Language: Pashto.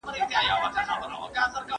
¬ چرگه معلومه نه، چرکوړي ئې اسمان ته و ختل.